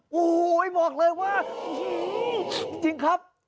โอ้โหบอกเลยว่าจริงครับ